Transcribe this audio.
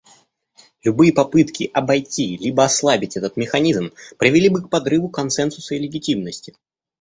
Любые попытки обойти либо ослабить этот механизм привели бы к подрыву консенсуса и легитимности.